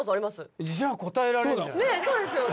ねぇそうですよね。